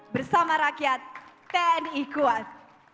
bersama rakyat tni kuat